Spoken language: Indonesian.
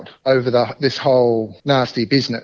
di seluruh bisnis yang berbahaya ini